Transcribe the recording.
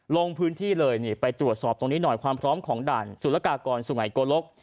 ลงพื้นที่เลยนี่ไปตรวจสอบตรงนี้หน่อยความพร้อมของด่านสุรกากรสุไงโกลก